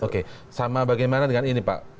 oke sama bagaimana dengan ini pak